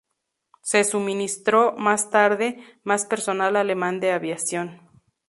Se suministró, más tarde, más personal alemán de aviación.